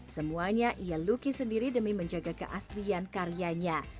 semuanya ia lukis sendiri demi menjaga keaslian karyanya